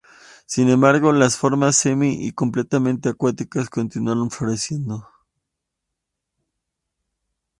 Sin embargo, las formas semi y completamente acuáticas continuaron floreciendo.